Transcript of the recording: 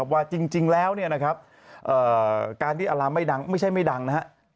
ว่าจริงแล้วการที่อารามไม่ดังไม่ใช่ไม่ดังนะครับ